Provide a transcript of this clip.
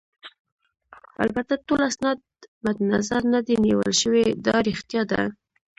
البته ټول اسناد مدنظر نه دي نیول شوي، دا ريښتیا ده.